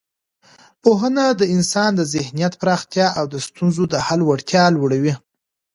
پوهنه د انسان د ذهن پراختیا او د ستونزو د حل وړتیا لوړوي.